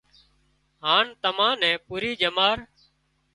هانَ تمان نين پُوري ڄمار